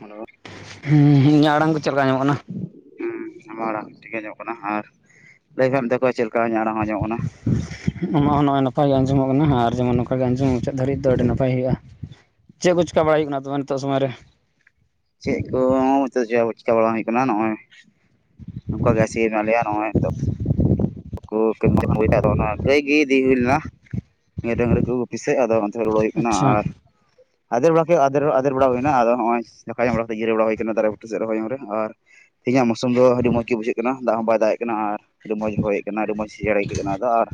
Hello ᱦᱩ ᱤᱧᱟᱹᱜ ᱟᱲᱟᱝ ᱠᱚ ᱪᱮᱫ ᱞᱮᱠᱟ ᱟᱸᱡᱚᱢᱚᱜ ᱠᱟᱱᱟ? ᱦᱮᱸ ᱟᱢᱟ ᱟᱲᱟᱝ ᱴᱷᱤᱠ ᱜᱮ ᱟᱸᱡᱚᱢᱚᱜ ᱠᱟᱱᱟ᱾ ᱟᱨ [unintelligible] ᱪᱮᱫᱞᱮᱠᱟ ᱤᱧᱟᱸᱜ ᱟᱲᱟᱝ ᱦᱚᱸ ᱧᱚᱜ ᱠᱟᱱᱟ᱾ ᱟᱢᱟᱜ ᱦᱚᱸ ᱱᱚᱜᱼᱚᱭ ᱱᱟᱯᱟᱭ ᱜᱮ ᱟᱸᱡᱚᱢᱚᱜ ᱠᱟᱱᱟ᱾ ᱟᱨ ᱡᱮᱢᱚᱱ ᱱᱚᱝᱠᱟ ᱜᱮ ᱟᱸᱡᱚᱢ ᱢᱩᱪᱟᱹᱫ ᱫᱷᱟᱹᱨᱤᱡᱽ ᱫᱚ ᱟᱹᱰᱤ ᱱᱟᱯᱟᱭ ᱦᱩᱭᱩᱜᱼᱟ᱾ ᱪᱮᱫ ᱠᱚ ᱪᱮᱠᱟ ᱵᱟᱲᱟ ᱦᱩᱭᱩᱜ ᱠᱟᱱᱟ ᱛᱚᱵᱮ ᱱᱤᱛᱚᱜ ᱥᱚᱢᱚᱭ ᱨᱮ? [unintelligible] ᱱᱤᱛᱚᱜ ᱦᱚᱸ ᱪᱤᱠᱟ ᱦᱚᱸ ᱵᱟᱝ ᱦᱩᱭᱩᱜ ᱠᱟᱱᱟ ᱱᱚᱜᱼᱚᱭ ᱱᱚᱝᱠᱟ ᱜᱮ ᱥᱮ ᱢᱮᱱᱟᱜ ᱞᱮᱭᱟ ᱱᱚᱜᱼᱚᱭ [unintelligible] ᱜᱟᱹᱭ ᱜᱮ ᱤᱫᱤ ᱦᱩᱭ ᱞᱮᱱᱟ ᱰᱟᱹᱟᱝᱨᱤ ᱠᱚ ᱜᱩᱯᱤᱥᱮᱜ ᱟᱫᱚ᱾ ᱟᱫᱮᱨ ᱦᱩᱭ ᱠᱟᱱᱟ ᱟᱪᱪᱷᱟ ᱟᱨ ᱟᱫᱮᱨ ᱵᱟᱲᱟ ᱠᱮᱫ ᱟᱫᱮᱨ ᱟᱫᱮᱨ ᱵᱟᱲᱟ ᱦᱩᱭᱮᱱᱟ ᱟᱫᱚ ᱱᱚᱜᱼᱚᱭ! ᱫᱟᱠᱟ ᱡᱚᱢ ᱵᱟᱲᱟ ᱠᱟᱛᱮ ᱡᱤᱨᱟᱹ ᱵᱟᱲᱟ ᱦᱩᱭ ᱠᱟᱱᱟ ᱫᱟᱨᱮ ᱵᱩᱴᱟᱹ ᱥᱮᱫ ᱨᱚᱭ ᱮᱢ ᱨᱮ ᱟᱨ ᱛᱮᱦᱮᱧᱟᱜ ᱢᱳᱥᱳᱢ ᱫᱚ ᱟᱹᱰᱤ ᱢᱚᱡᱽ ᱜᱮ ᱵᱩᱡᱷᱟᱹᱜ ᱠᱟᱱᱟ ᱫᱟᱜᱽ ᱦᱚᱸ ᱵᱟᱭ ᱫᱟᱜᱮᱜ ᱠᱟᱱᱟ ᱟᱨ, ᱟᱹᱰᱤ ᱢᱚᱡᱽ ᱦᱚᱭᱮᱫ ᱠᱟᱱᱟ ᱟᱹᱰᱤ ᱢᱚᱡᱽ ᱥᱤᱲᱮᱭᱠ ᱠᱮᱫ ᱠᱟᱱᱟ ᱟᱫᱚ ᱟᱨ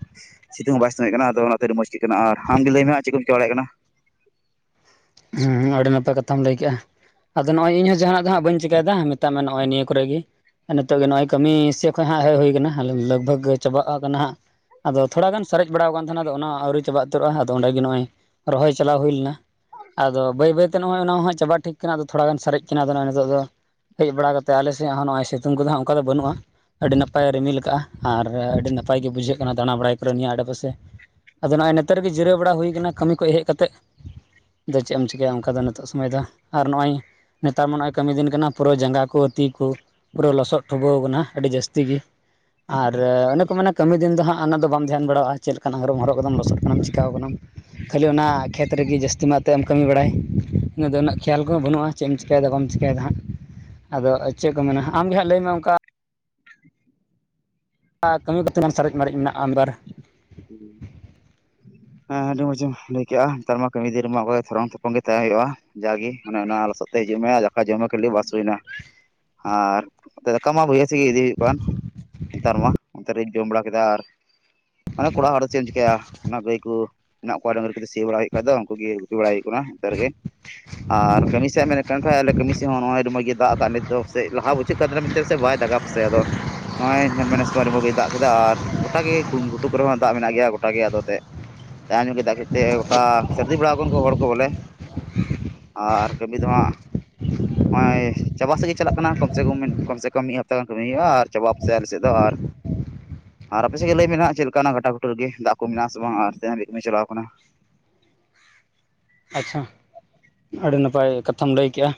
ᱥᱤᱛᱩᱝ ᱦᱚᱸ ᱵᱟᱭ ᱥᱤᱛᱩᱝ ᱠᱟᱱᱟ ᱟᱫᱚ ᱚᱱᱟ᱾ ᱟᱹᱰᱤ ᱢᱚᱡᱽ ᱜᱮ ᱠᱟᱱᱟ ᱟᱨ ᱟᱢ ᱜᱮ ᱞᱟᱹᱭᱢ ᱢᱮ ᱟᱨ ᱪᱮᱫ ᱠᱚᱢ ᱪᱮᱠᱟᱹ ᱵᱟᱲᱭᱟᱜ ᱠᱟᱱᱟ? ᱦᱮᱸ ᱟᱹᱰᱤ ᱱᱟᱯᱟᱭ ᱠᱟᱛᱷᱟᱢ ᱞᱟᱹᱭ ᱠᱮᱜᱼᱟ᱾ ᱟᱫᱚ ᱱᱚᱜᱼᱚᱭ ᱤᱧᱦᱚᱸ ᱡᱟᱦᱟᱱᱟᱜ ᱫᱚ ᱦᱟᱸᱜ ᱵᱟᱹᱧ ᱪᱮᱠᱟᱭᱮᱫᱟ, ᱢᱮᱛᱟᱜ ᱢᱮ ᱱᱚᱜᱼᱚᱭ ᱱᱤᱭᱟᱹ ᱠᱚᱨᱮᱜ ᱜᱮ ᱾ ᱟᱨ ᱱᱤᱛᱚᱜ ᱜᱮ ᱱᱚᱜᱼᱚᱭ ᱠᱟᱹᱢᱤ ᱥᱮᱫ ᱠᱷᱚᱡᱽ ᱦᱟᱸᱜ ᱦᱮᱡᱽ ᱦᱩᱭ ᱠᱟᱱᱟ, ᱞᱟᱜᱽ ᱵᱷᱟᱜᱽ ᱪᱟᱵᱟᱜ ᱠᱟᱱᱟ ᱦᱟᱸᱜ ᱾ ᱟᱫᱚ ᱛᱷᱚᱲᱟ ᱜᱟᱱ ᱥᱟᱨᱮᱡᱽ ᱵᱟᱲᱟᱣ ᱟᱠᱟᱱ ᱛᱟᱦᱮᱱᱟ, ᱟᱫᱚ ᱚᱱᱟ ᱟᱹᱣᱨᱤ ᱪᱟᱵᱟ ᱩᱛᱟᱹᱨᱚᱜ ᱟ ᱚᱸᱰᱮ ᱜᱮ ᱱᱚᱜᱼᱚᱭ ᱨᱚᱦᱚᱭ ᱪᱟᱞᱟᱣ ᱦᱩᱭ ᱞᱮᱱᱟ ᱾ ᱟᱫᱚ ᱵᱟᱹᱭ ᱵᱟᱹᱭ ᱱᱛᱮ ᱱᱚᱜᱼᱚᱭ ᱦᱚᱸ ᱪᱟᱵᱟ ᱴᱷᱤᱠ ᱠᱟᱱᱟ ᱟᱫᱚ ᱛᱷᱚᱲᱟᱜᱟᱱ ᱥᱟᱨᱮᱡᱽ ᱟᱠᱟᱱᱟ ᱟᱫᱚ ᱱᱤᱛᱚᱜ ᱫᱚ ᱾ ᱦᱮᱡᱽ ᱵᱟᱲᱟ ᱠᱟᱛᱮᱫ ᱟᱞᱮ ᱥᱮᱫ ᱦᱚᱸ, ᱱᱚᱜᱼᱚᱭ ᱥᱤᱛᱩᱝ ᱠᱚ ᱦᱟᱸᱜ ᱚᱱᱠᱟ ᱫᱚ ᱵᱟᱹᱱᱩᱜᱼᱟ ᱾ ᱟᱹᱰᱤ ᱱᱟᱯᱟᱭ ᱨᱤᱢᱤᱞ ᱠᱟᱜᱼᱟ, ᱟᱨ ᱟᱹᱰᱤ ᱱᱟᱯᱟᱭ ᱜᱮ ᱵᱩᱡᱷᱟᱹᱜ ᱠᱟᱱᱟ ᱫᱟᱬᱟ ᱵᱟᱲᱟᱭ ᱠᱚᱨᱮ ᱱᱤᱭᱟᱹ ᱟᱰᱮᱯᱟᱥᱮ ᱟᱫᱚ ᱱᱚᱜᱼᱚᱭ ᱱᱮᱛᱮᱨᱮᱜᱮ ᱡᱤᱨᱟᱹ ᱵᱟᱲᱟ ᱦᱩᱭ ᱠᱟᱱᱟ, ᱠᱟᱹᱢᱤ ᱠᱷᱚᱡᱽ ᱦᱮᱡᱽ ᱠᱟ ᱠᱟᱛᱮᱫ᱾ ᱫᱚ ᱪᱮᱫ ᱮᱢ ᱪᱤᱠᱟᱹᱭᱟ ᱚᱱᱠᱟ ᱫᱚ ᱱᱤᱛᱚᱜ ᱥᱚᱢᱚᱭ ᱫᱚ ᱟᱨ ᱱᱚᱜᱼᱚᱭ ᱱᱮᱛᱟᱨ ᱢᱟ ᱱᱚᱜᱼᱚᱭ ᱠᱟᱹᱢᱤ ᱫᱤᱱ ᱠᱟᱱᱟ, ‌ᱯᱩᱨᱟᱹ ᱡᱟᱸᱜᱟ ᱠᱚ ᱟᱹᱛᱤ ᱠᱚ ᱯᱩᱨᱟᱹ ᱞᱚᱥᱚᱫ ᱴᱷᱩᱵᱟᱹᱣ ᱠᱟᱱᱟ ᱟᱹᱰᱤ ᱡᱟᱹᱥᱛᱤ ᱜᱮ ᱟᱨ ᱚᱱᱮ ᱠᱚ ᱢᱮᱱᱟ ᱠᱟᱹᱢᱤ ᱫᱤᱱ ᱫᱚ ᱦᱟᱸᱜ ᱚᱱᱟᱫᱚ ᱵᱟᱢ ᱫᱷᱮᱭᱟᱱ ᱵᱟᱲᱟᱜᱼᱟ, ‌ ᱪᱮᱫ ᱠᱟᱱᱟ [unintelligible] ᱦᱚᱨᱚᱜ ᱠᱟᱜᱼᱟᱢ ᱞᱚᱥᱚᱫ ᱠᱟᱱᱟᱢ ᱪᱮᱠᱟᱣ ᱟᱠᱟᱱᱟᱢ ᱾ ᱠᱷᱟᱹᱞᱤ ᱚᱱᱟ ᱠᱷᱮᱛ ᱨᱮᱜᱮ ᱡᱟᱹᱥᱛᱤ ᱢᱟᱛ ᱱᱛᱮᱫ ᱮᱢ ᱠᱟᱹᱢᱤ ᱵᱟᱲᱟᱭ ᱤᱱᱟᱹ ᱫᱚ ᱩᱱᱟᱹᱜ ᱠᱷᱮᱭᱟᱞ ᱠᱚᱦᱚᱸ ᱵᱟᱹᱱᱩᱜᱼᱟ ᱾ ᱪᱮᱫ ᱮᱢ ᱪᱮᱠᱟᱭᱮᱫᱟ ᱵᱟᱢ ᱪᱤᱠᱟᱹᱭᱮᱫᱟ ᱦᱟᱸᱜ ᱾ ᱟᱫᱚ ᱪᱮᱫ ᱠᱚ ᱢᱮᱱᱟ ᱟᱢ ᱜᱮᱦᱟᱸᱜ ᱞᱟᱹᱭᱢᱮ ᱚᱱᱠᱟ ᱟᱜ ᱠᱟᱹᱢᱤ ᱠᱟᱛᱮᱢ ᱥᱟᱨᱮᱡ ᱢᱟᱨᱟᱹᱨᱤᱡ ᱢᱮᱱᱟᱜᱼᱟ ᱟᱵᱟᱨ, [unintelligible] ᱦᱮᱸ ᱟᱹᱰᱤ ᱢᱚᱸᱡ ᱮᱢ ᱞᱟᱭᱠᱮᱼᱟ ᱱᱮᱛᱟᱨ ᱢᱟ ᱠᱟᱹᱢᱤ ᱫᱤᱱ ᱨᱮᱢᱟ ᱛᱷᱚᱨᱚᱝ ᱛᱚᱯᱚᱝ ᱜᱮ ᱛᱟᱦᱮᱸ ᱦᱩᱭᱩᱜᱼᱟ ᱾ ᱡᱟᱜᱮ ᱢᱟᱱᱮ ᱚᱱᱟ ᱞᱚᱥᱚᱫ ᱛᱮ ᱦᱤᱡᱩᱜ ᱢᱮ ᱟᱨ ᱫᱟᱠᱟ ᱡᱚᱢ ᱢᱮ ᱠᱷᱟᱹᱞᱤ ᱵᱟᱥ ᱦᱩᱭᱱᱟ᱾ ᱟᱨ ᱫᱟᱠᱟ ᱢᱟ ᱵᱟᱹᱭᱦᱟᱹᱲ ᱥᱮᱜ ᱜᱮ ᱤᱫᱤ ᱦᱩᱭᱩᱜ ᱠᱟᱱ ᱱᱮᱛᱟᱨ ᱢᱟ ᱚᱱᱛᱮ ᱨᱤᱧ ᱡᱚᱢ ᱵᱟᱲᱟ ᱠᱮᱫᱟ ᱟᱨ ᱢᱟᱱᱮ ᱠᱚᱲᱟ ᱦᱚᱲ ᱫᱚ ᱪᱮᱫ ᱮᱢ ᱪᱮᱠᱟᱹᱭᱟ, ᱚᱱᱟ ᱜᱟᱹᱭ ᱠᱚ ᱢᱮᱱᱟᱜ ᱠᱚᱣᱟ ᱰᱟᱝᱝᱨᱤ ᱥᱤ ᱵᱟᱲᱟ ᱦᱩᱭᱩᱜ ᱠᱷᱟᱡ ᱫᱚ ᱩᱱᱠᱩ ᱜᱮ ᱜᱩᱯᱤ ᱵᱟᱲᱟᱟᱭ ᱦᱩᱭᱩᱜ ᱠᱟᱱᱟ ᱱᱚᱛᱮᱨᱮ ᱜᱮ ᱾ ᱟᱨ ᱠᱟᱹᱢᱤ ᱥᱮᱢ ᱢᱮᱱᱮᱫ ᱠᱷᱟᱱ ᱛᱟᱦᱮᱜ ᱟᱞᱮ ᱠᱟᱹᱢᱤ ᱥᱮ ᱦᱚᱸ ᱱᱚᱜᱼᱚᱭ ᱟᱹᱰᱤ ᱢᱚᱡᱽ ᱜᱮ ᱫᱟᱜ ᱟᱠᱟᱜ ᱟᱫᱚ ᱥᱮ ᱞᱟᱦᱟ ᱵᱩᱡᱷᱟᱹᱜ ᱠᱟᱱ ᱛᱟᱦᱮᱱᱟ ᱡᱮᱱᱛᱮ ᱥᱮ ᱵᱟᱭ ᱫᱟᱜᱟ ᱯᱟᱥᱮ ᱟᱫᱚ! ᱱᱚᱜᱼᱚᱭ ᱧᱮᱞ ᱢᱮ ᱱᱮᱥ ᱫᱚ ᱟᱹᱰᱤ ᱡᱚᱡᱽ ᱜᱮᱭ ᱫᱟᱜ ᱠᱮᱫᱟ ᱟᱨ ᱜᱚᱴ ᱜᱮ ᱠᱩ ᱜᱩ ᱴᱩᱠ ᱨᱮᱦᱚᱸ ᱫᱟᱜ ᱢᱮᱱᱟᱜ ᱜᱮᱭᱟ ᱜᱚᱴᱟᱜ ᱜᱮ ᱟᱫᱚ ᱮᱛᱮᱫ, ᱛᱟᱭ ᱧᱩ ᱠᱮᱫᱟ ᱫᱟᱜ ᱠᱮᱫᱛᱮ ᱜᱚᱴᱟ ᱥᱟᱹᱨᱫᱤ ᱵᱟᱲᱟ ᱟᱠᱟᱱ ᱠᱚ ᱦᱚᱲ ᱠᱚ ᱵᱚᱞᱮ ᱾ ᱟᱨ ᱠᱟᱹᱢᱤ ᱫᱚ ᱦᱟᱸᱜ ᱱᱚᱜᱼᱚᱭ ᱪᱟᱵᱟ ᱥᱮᱫ ᱜᱮ ᱪᱟᱞᱟᱜ ᱠᱟᱱᱟ ᱠᱚᱢ ᱥᱮ ᱠᱚᱢ ᱠᱚᱢ ᱥᱮ ᱠᱚᱢ ᱢᱤᱫ ᱦᱟᱯᱛᱟ ᱜᱟᱱ ᱠᱟᱹᱢᱤ ᱦᱩᱭᱩᱜᱼᱟ ᱟᱨ ᱪᱟᱵᱟᱜ-ᱟ ᱯᱟᱥᱮ ᱟᱞᱮ ᱥᱮᱫ ᱫᱚ ᱟᱨ ᱟᱨ ᱟᱯᱮ ᱥᱮᱫ ᱜᱮ ᱞᱟᱹᱭ ᱢᱮ ᱱᱟᱜ ᱪᱮᱫ ᱞᱮᱠᱟ ᱚᱱᱟ ᱜᱷᱟᱴᱟ ᱜᱩᱴᱩ ᱨᱮᱜᱮ ᱫᱟᱜ ᱠᱚ ᱢᱮᱱᱟᱜ-ᱟ ᱥᱮ ᱵᱟᱝ ᱟᱨ ᱡᱟᱦᱟ ᱦᱟᱵᱤᱡ ᱠᱟᱹᱢᱤ ᱪᱟᱞᱟᱣ ᱠᱟᱱᱟ᱾ ᱟᱪᱪᱷᱟ ᱟᱹᱰᱤ ᱱᱟᱯᱟᱭ ᱠᱟᱛᱷᱟᱢ ᱞᱟᱹᱭ ᱠᱮᱜ-ᱟ